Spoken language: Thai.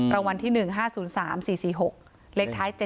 รางวัลที่๑๕๐๓๔๔๖เลขท้าย๗